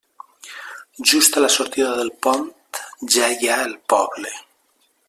Just a la sortida del pont ja hi ha el poble.